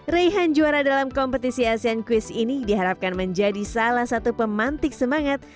raihan juara dalam kompetisi asean quiz ini diharapkan menjadi salah satu pemantik semangat